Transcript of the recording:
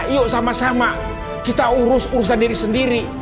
yuk sama sama kita urus urusan diri sendiri